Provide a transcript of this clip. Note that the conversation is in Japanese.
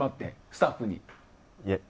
スタッフに。